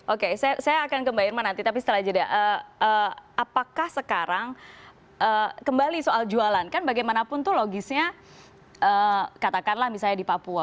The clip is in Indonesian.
oke saya akan ke mbak irma nanti tapi setelah jeda apakah sekarang kembali soal jualan kan bagaimanapun itu logisnya katakanlah misalnya di papua